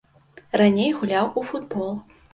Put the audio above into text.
Раней гуляў у футбол.